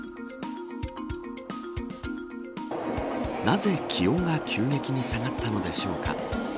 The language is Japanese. なぜ、気温が急激に下がったのでしょうか。